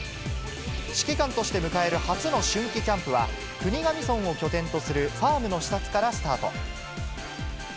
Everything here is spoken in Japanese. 指揮官として迎える初の春季キャンプは、国頭村を拠点とするファームの視察からスタート。